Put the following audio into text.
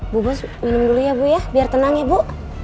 bubus minum dulu ya bu ya biar tenang ya bu